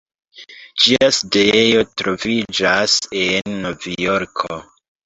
Ĝia sidejo troviĝas en Novjorko.